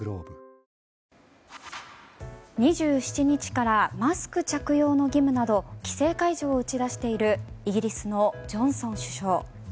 ２７日からマスク着用の義務など規制解除を打ち出しているイギリスのジョンソン首相。